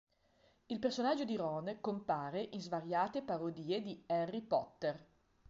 Il personaggio di Ron compare in svariate parodie di Harry Potter.